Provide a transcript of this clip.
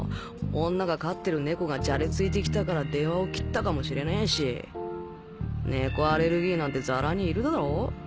女が飼ってる猫がじゃれついてきたから電話を切ったかもしれねえし猫アレルギーなんてザラにいるだろ？